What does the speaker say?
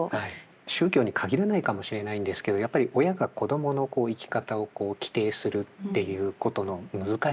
宗教に限らないかもしれないんですけどやっぱり親が子供の生き方を規定するっていうことの難しさ。